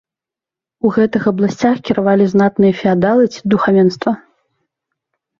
У гэтых абласцях кіравалі знатныя феадалы ці духавенства.